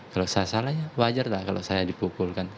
kalau saya salahnya wajar lah kalau saya dipukul jadi menarik